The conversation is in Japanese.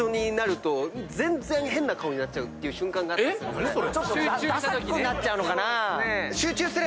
何それ？